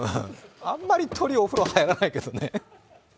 あんまり鳥お風呂入らないけどね。